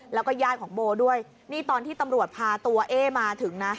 แล้วก็ญาติของโบด้วยนี่ตอนที่ตำรวจพาตัวเอ๊มาถึงนะ